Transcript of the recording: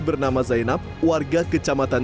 bernama zainab warga kecamatan